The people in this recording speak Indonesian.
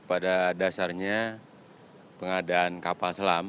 pada dasarnya pengadaan kapal selam